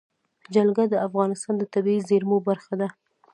جلګه د افغانستان د طبیعي زیرمو برخه ده.